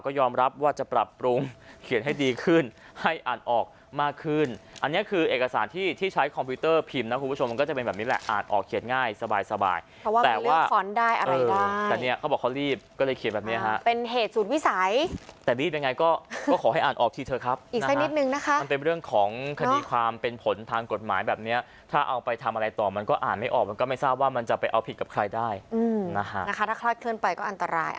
ก็ยอมรับว่าจะปรับปรุงเขียนให้ดีขึ้นให้อ่านออกมากขึ้นอันเนี้ยคือเอกสารที่ที่ใช้คอมพิวเตอร์พิมพ์นะคุณผู้ชมมันก็จะเป็นแบบนี้แหละอ่านออกเขียนง่ายสบายสบายเพราะว่ามันเลือกขอนได้อะไรได้แต่เนี้ยเขาบอกเขารีบก็เลยเขียนแบบเนี้ยฮะเป็นเหตุศูนย์วิสัยแต่รีบยังไงก็ก็ขอให้อ่านออกที่เธอ